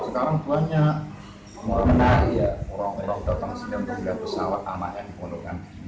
sekarang banyak orang orang datang sini untuk melihat pesawat anak yang dipondokkan